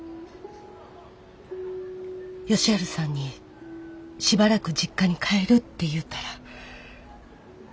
佳晴さんにしばらく実家に帰るって言うたら。